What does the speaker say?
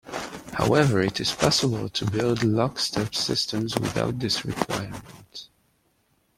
However, it is possible to build lockstep systems without this requirement.